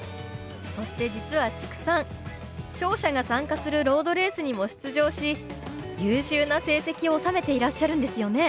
そして実は知久さん聴者が参加するロードレースにも出場し優秀な成績を収めていらっしゃるんですよね？